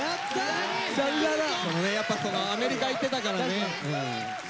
やっぱアメリカ行ってたからね。